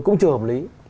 cũng chưa hợp lý